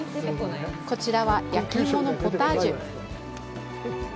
こちらは焼き芋のポタージュ。